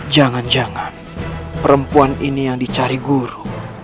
jangan jangan perempuan ini yang dicari guru